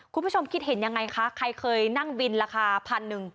คุณผู้ชมคิดเห็นยังไงคะใครเคยนั่งบินราคาพันหนึ่ง